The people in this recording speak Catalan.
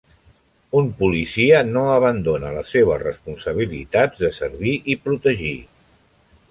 Un policia no abandona les seves responsabilitats de servir i protegir.